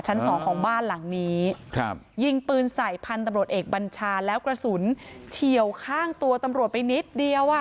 สองของบ้านหลังนี้ครับยิงปืนใส่พันธุ์ตำรวจเอกบัญชาแล้วกระสุนเฉียวข้างตัวตำรวจไปนิดเดียวอ่ะ